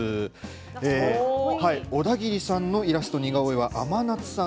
オダギリさんのイラスト、似顔絵は甘夏さん。